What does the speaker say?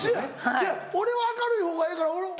違う俺は明るいほうがええから。